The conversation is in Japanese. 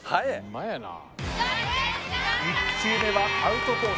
１球目はアウトコース